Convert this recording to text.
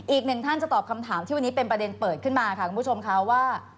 อีกหนึ่งท่านจะตอบคำถามที่วันนี้เป็นประเด็นเปิดขึ้นมาค่ะคุณผู้ชมค่ะว่า